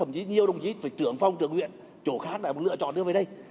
chưa đồng chí phải trưởng phong trưởng huyện chỗ khác là lựa chọn đưa về đây